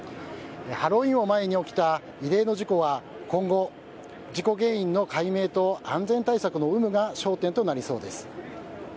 ハロウィーンを前に起きた異例の事故は今後、事故原因の解明と安全対策の有無が焦点となりそうです。